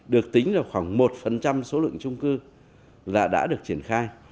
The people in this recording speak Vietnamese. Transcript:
được tính là khoảng một số lượng trung cư là đã được triển khai